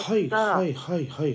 はいはいはい。